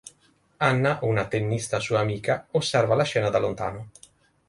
Anna, una tennista sua amica, osserva la scena da lontano.